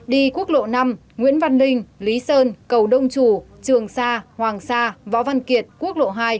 đi quốc lộ năm nguyễn văn ninh lý sơn cầu đông chủ trường sa hoàng sa võ văn kiệt quốc lộ hai